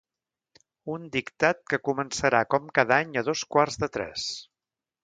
Un dictat que començarà com cada any a dos quarts de tres.